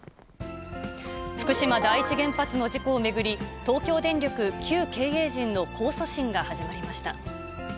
福島第一原発の事故を巡り、東京電力旧経営陣の控訴審が始まりました。